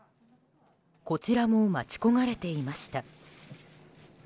こちらも待ち焦がれていました。